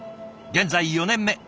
現在４年目。